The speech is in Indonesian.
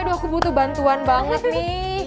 aduh aku butuh bantuan banget nih